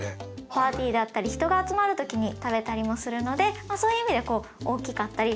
パーティーだったり人が集まる時に食べたりもするのでそういう意味でこう大きかったり。